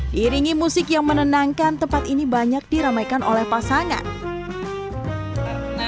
diiringi musik yang menenangkan tempat ini banyak diramaikan oleh pasangan